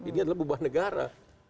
ini adalah beban negara